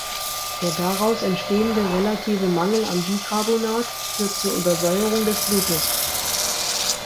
Der daraus entstehende relative Mangel an Bicarbonat führt zur Übersäuerung des Blutes.